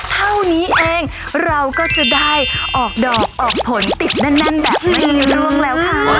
เท่านี้เองเราก็จะได้ออกดอกออกผลติดแน่นแบบไม่มีร่วงแล้วค่ะ